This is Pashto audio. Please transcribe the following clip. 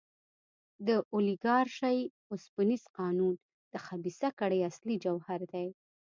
د اولیګارشۍ اوسپنیز قانون د خبیثه کړۍ اصلي جوهر دی.